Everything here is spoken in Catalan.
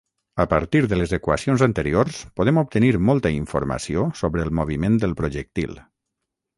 A partir de les equacions anteriors podem obtenir molta informació sobre el moviment del projectil.